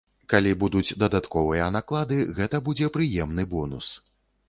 Калі будуць дадатковыя наклады, гэта будзе прыемны бонус.